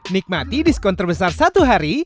nikmati diskon terbesar satu hari